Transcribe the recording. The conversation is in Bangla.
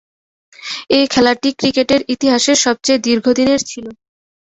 এ খেলাটি ক্রিকেটের ইতিহাসের সবচেয়ে দীর্ঘদিনের ছিল।